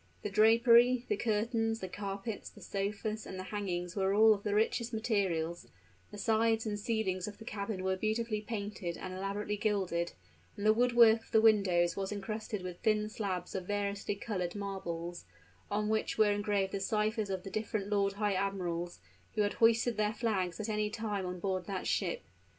The drapery the curtains, the carpets, the sofas, and the hangings were all of the richest materials; the sides and ceilings of the cabin were beautifully painted and elaborately gilded, and the wood work of the windows was incrusted with thin slabs of variously colored marbles, on which were engraved the ciphers of the different lord high admirals who had hoisted their flags at any time on board that ship.